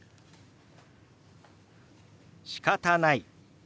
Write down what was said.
「しかたない」。